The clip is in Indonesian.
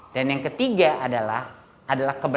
dan yang ketiga adalah